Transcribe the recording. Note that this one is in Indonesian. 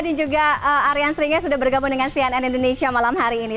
dan juga aryan sringa sudah bergabung dengan cnn indonesia malam hari ini